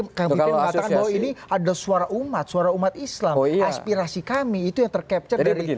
kang pipin mengatakan bahwa ini ada suara umat suara umat islam aspirasi kami itu yang tercapture dari